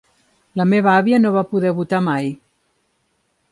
La meva àvia no va poder votar mai.